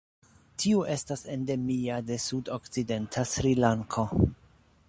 Tiu estas endemia de sudokcidenta Srilanko.